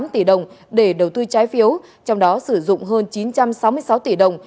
một năm trăm năm mươi tám tỷ đồng để đầu tư trái phiếu trong đó sử dụng hơn chín trăm sáu mươi sáu tỷ đồng